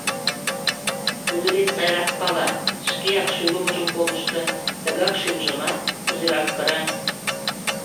Тудо вет сайрак пала: шкеак шӱлымыжым колышто, тыгак шӱмжымат, кузерак кыра.